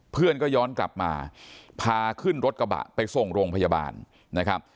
เพื่อนก็ย้อนกลับมาพาขึ้นรถกระบะไปส่งโรงพยาบาลนะครับ